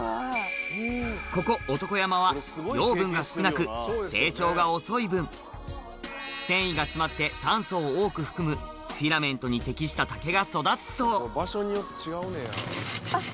ここ男山は養分が少なく成長が遅い分繊維が詰まって炭素を多く含むフィラメントに適した竹が育つそうあっ